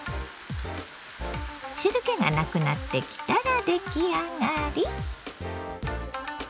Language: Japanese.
汁けがなくなってきたら出来上がり。